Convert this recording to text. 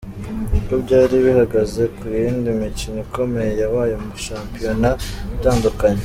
Uko byari bihagaze mu yindi mikino ikomeye yabaye mu mashapiyona atandukanye.